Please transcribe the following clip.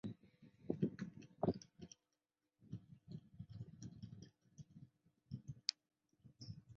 这个世界也有许多不同时代的人们身陷其中而无法离开。